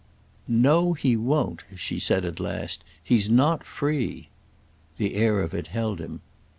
"No—he won't," she said at last. "He's not free." The air of it held him.